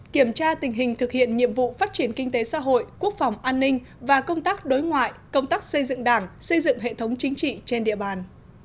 kiểm tra tình hình thực hiện nhiệm vụ phát triển kinh tế xã hội quốc phòng an ninh và công tác đối ngoại công tác xây dựng đảng xây dựng hệ thống chính trị trên địa bàn